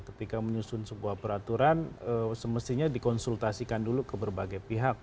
ketika menyusun sebuah peraturan semestinya dikonsultasikan dulu ke berbagai pihak